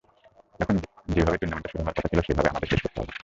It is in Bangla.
এখন যেভাবে টুর্নামেন্টটা শুরু করার কথা ছিল, সেভাবে আমাদের শেষ করতে হবে।